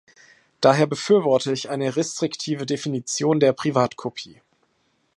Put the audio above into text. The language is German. Daher befürworte ich eine restriktive Definition der Privatkopie.